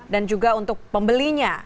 dan juga untuk pembelinya